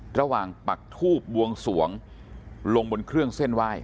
ปักทูบบวงสวงลงบนเครื่องเส้นไหว้